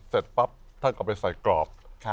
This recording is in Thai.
เสร็จปั๊บท่านก็ไปใส่กรอบ